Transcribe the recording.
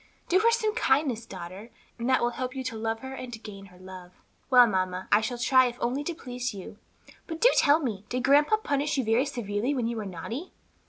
Do her some kindness, daughter, and that will help you to love her and to gain her love." "Well, mamma, I shall try if only to please you. But do tell me, did grandpa punish you very severely when you were naughty?"